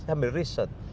saya ambil riset